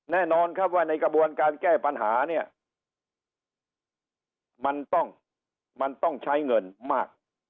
แน่นอนครับว่าในกระบวนการแก้ปัญหาเนี่ยมันต้องมันต้องใช้เงินมาก